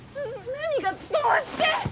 何がどうして！？